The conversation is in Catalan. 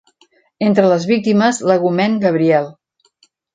Entre les víctimes, l'hegumen Gabriel.